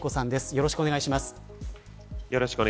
よろしくお願いします。